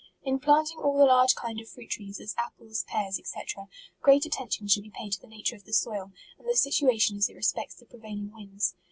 In planting all the large kind of fruit trees, as apples, pears, &c. great attention should be paid to the nature of the soil, and the sit uation as it respects the prevailing winds.